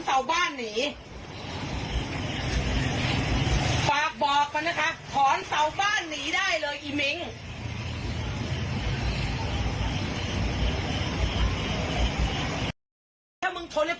ถ้ามึงทนให้พ่อแม่มึงนอนภาวะได้ก็เอา